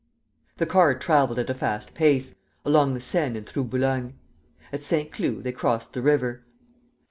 The car travelled at a fast pace, along the Seine and through Boulogne. At Saint Cloud, they crossed the river.